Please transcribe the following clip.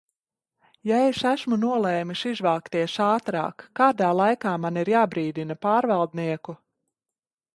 Ja es esmu nolēmis izvākties ātrāk, kādā laikā man ir jābrīdina pārvaldnieku?